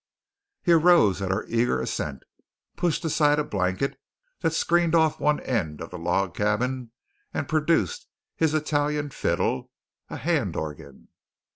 He arose at our eager assent, pushed aside a blanket that screened off one end of the log cabin, and produced his "Italian fiddle" a hand organ!